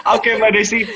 oke mbak desi